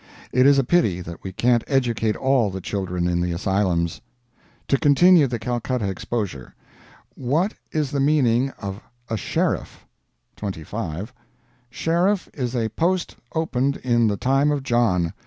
It is a pity that we can't educate all the children in the asylums. To continue the Calcutta exposure: "What is the meaning of a Sheriff?" "25. Sheriff is a post opened in the time of John.